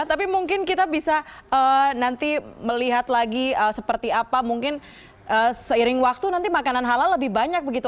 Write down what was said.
tapi mungkin kita bisa nanti melihat lagi seperti apa mungkin seiring waktu nanti makanan halal lebih banyak begitu